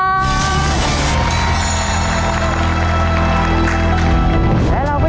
ตัวเลือกที่สองวนทางซ้าย